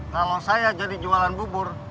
kalau saya jadi jualan bubur